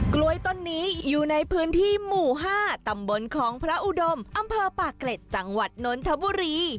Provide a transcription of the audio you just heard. กล้วยต้นนี้อยู่ในพื้นที่หมู่๕ตำบลของพระอุดมอำเภอปากเกร็ดจังหวัดนนทบุรี